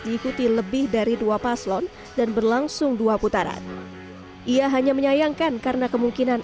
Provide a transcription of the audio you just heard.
diikuti lebih dari dua paslon dan berlangsung dua putaran ia hanya menyayangkan karena kemungkinan